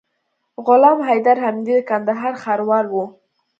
غلام حيدر حميدي د کندهار ښاروال وو.